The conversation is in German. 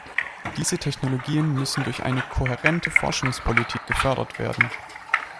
Diese Technologien müssen durch eine kohärente Forschungspolitik gefördert werden.